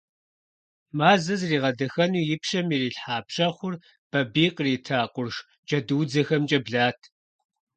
Мазэ зригъэдэхэну и пщэм ирилъхьа пщэхъур Бабий кърита къурш джэдуудзэхэмкӀэ блат.